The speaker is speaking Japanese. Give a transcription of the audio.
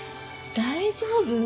大丈夫？